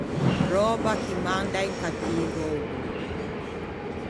Röba chi manda un cattivo ödô.